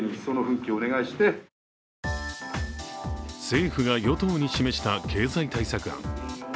政府が与党に示した経済対策案。